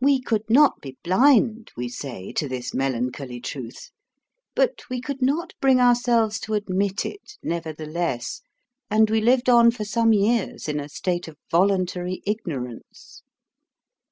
We could not be blind, we say, to this melancholy truth, but we could not bring ourselves to admit it, nevertheless, and we lived on for some years in a state of voluntary ignorance.